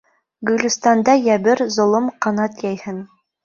Гөлөстанда йәбер, золом ҡанат йәйһен.